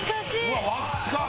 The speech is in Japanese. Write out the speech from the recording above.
うわっ若っ！